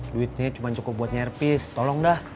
duitnya cuma cukup buat nyerps tolong dah